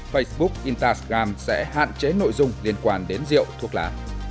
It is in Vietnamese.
facebook instagram sẽ hạn chế nội dung liên quan đến rượu thuốc lá